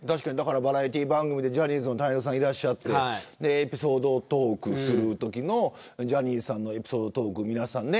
バラエティー番組でジャニーズのタレントさんがいらっしゃってエピソードトークをするときのジャニーさんのエピソードトーク